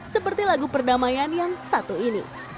seperti lagu perdamaian yang satu ini